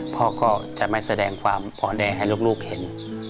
พ่อก็จะไม่แสดงความอ่อนแอให้ลูกเห็น